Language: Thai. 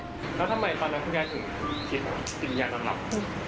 แล้วทำไมตอนนั้นคุณยายถึงกินกินยานอนลับ